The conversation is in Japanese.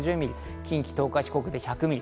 近畿、東海、四国で１００ミリ。